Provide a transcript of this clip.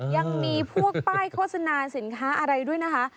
ยังมีพวกป้ายโฆษณาสินค้าอะไรด้วยนะคะ